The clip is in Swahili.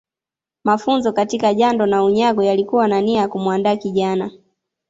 Mafunzo katika jando na unyago yalikuwa na nia ya kumuandaa kijana